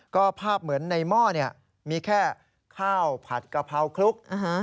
ก็ภาพเหมือนในหม้อมีแค่ข้าวผัดกะเพราคลุก